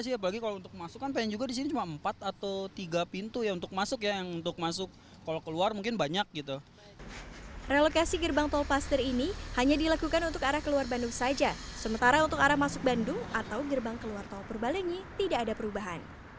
sementara untuk arah masuk bandung atau gerbang keluar tol purbalenyi tidak ada perubahan